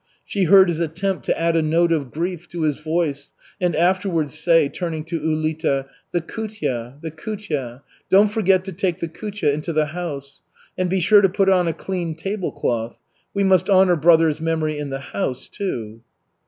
She heard his attempt to add a note of grief to his voice, and afterwards say, turning to Ulita: "The kutya,[A] the kutya, don't forget to take the kutya into the house. And be sure to put on a clean table cloth. We must honor brother's memory in the house, too."